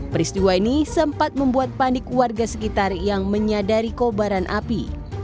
peristiwa ini sempat membuat panik warga sekitar yang menyadari kobaran api